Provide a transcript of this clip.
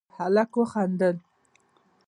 هلک وخندل: